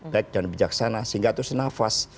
baik dan bijaksana sehingga itu senafas